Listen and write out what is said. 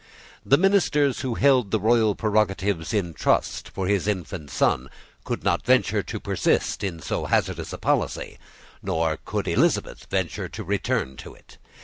The ministers who held the royal prerogatives in trust for his infant son could not venture to persist in so hazardous a policy; nor could Elizabeth venture to return to it.